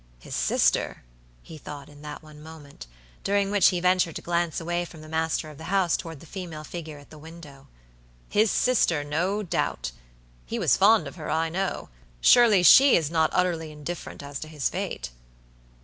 "His sister!" he thought in that one moment, during which he ventured to glance away from the master of the house toward the female figure at the window. "His sister, no doubt. He was fond of her, I know. Surely, she is not utterly indifferent as to his fate?"